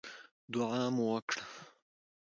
دعا مو وکړه.